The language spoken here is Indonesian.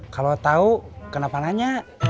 kalau tahu kenapa nanya